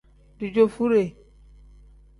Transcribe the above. Dijoovure.